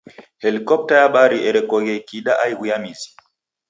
Helikopta ya habari erekoghe ikiida aighu ya mizi,.